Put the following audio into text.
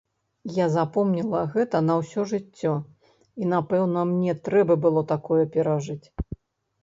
Я запомніла гэта на ўсё жыццё, і, напэўна, мне трэба было такое перажыць.